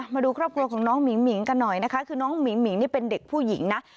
มาดูครอบครัวของน้องหมิ่งหิงกันหน่อยนะคะคือน้องหมิ่งหิงนี่เป็นเด็กผู้หญิงนะ